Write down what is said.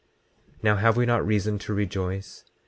26:35 Now have we not reason to rejoice?